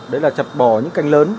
đấy là chặt bỏ những cành lớn